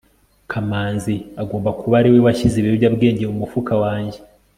kamanzi agomba kuba ariwe washyize ibiyobyabwenge mumufuka wanjye